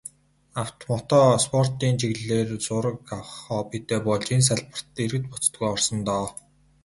Авто, мото спортын чиглэлээр зураг авах хоббитой болж, энэ салбарт эргэлт буцалтгүй орсон доо.